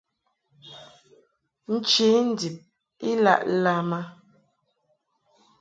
Nche ndib I laʼ lam a.